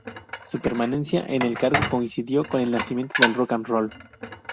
Su permanencia en el cargo coincidió con el nacimiento del rock and roll.